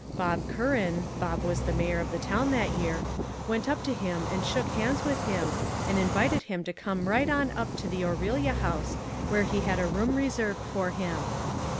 Bob Curran Bob was Mayor of the town that year went up to him and shook hands with him and invited him to come right on up to the Orillia House where he had a room reserved for him.